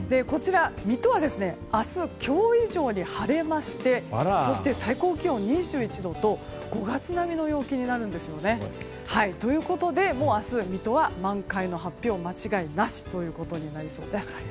水戸は明日、今日以上に晴れましてそして最高気温２１度と５月並みの陽気になるんですね。ということで、もう明日水戸は満開の発表間違いなしということになりそうです。